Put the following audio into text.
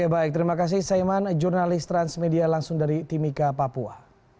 baik terima kasih saiman jurnalis transmedia langsung dari timika papua